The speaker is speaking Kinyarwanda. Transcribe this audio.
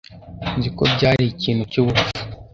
Nzi ko byari ikintu cyubupfu.